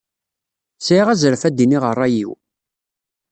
Sɛiɣ azref ad d-iniɣ ṛṛay-iw.